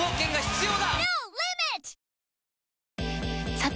さて！